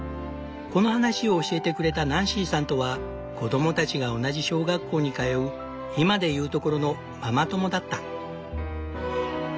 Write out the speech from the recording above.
この話を教えてくれたナンシーさんとは子供たちが同じ小学校に通う今で言うところのママ友だった。